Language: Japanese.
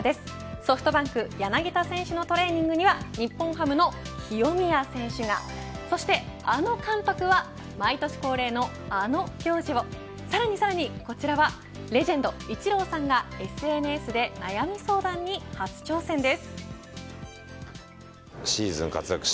ソフトバンク柳田選手のトレーニングには日本ハムの清宮選手がそして、あの監督は毎年恒例のあの行事をさらにさらにこちらは、レジェンドイチローさんがＳＮＳで悩み相談に初挑戦です。